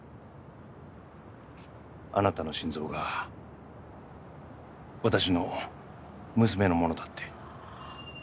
あなたの心臓が私の娘のものだって。